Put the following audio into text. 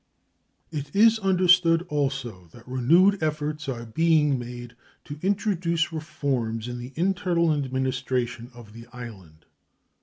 It is understood also that renewed efforts are being made to introduce reforms in the internal administration of the island.